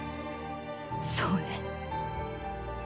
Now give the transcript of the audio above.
そうね。